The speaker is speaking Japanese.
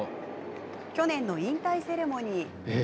去年の引退セレモニー。